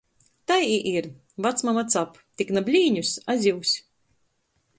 Tai i ir — vacmama cap, tik na blīņus, a zivs.